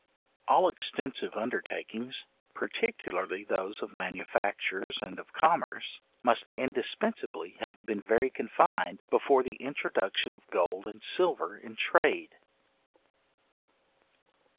All extensive undertakings, particularly those of manufactures and of commerce, must indispensibly have been very confined, before the introduction of gold and silver in trade.